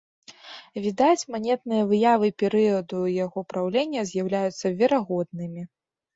Відаць, манетныя выявы перыяду яго праўлення з'яўляюцца верагоднымі.